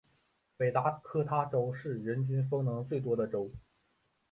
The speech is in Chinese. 北达科他州是人均风能最多的州。